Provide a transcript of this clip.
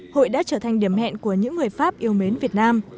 hội đã trở thành điểm hẹn của những người pháp yêu mến việt nam